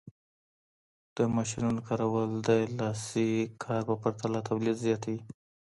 د ماشینونو کارول د لاسي کار په پرتله تولید زیاتوي.